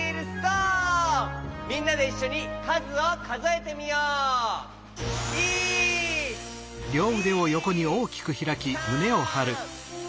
みんなでいっしょにかずをかぞえてみよう！